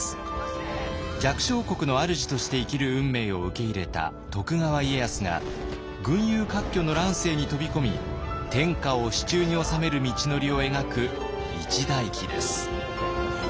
弱小国のあるじとして生きる運命を受け入れた徳川家康が群雄割拠の乱世に飛び込み天下を手中に収める道のりを描く一代記です。